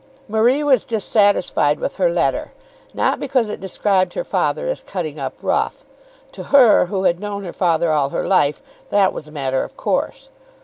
Marie was dissatisfied with her letter, not because it described her father as "cutting up very rough." To her who had known her father all her life that was a matter of course.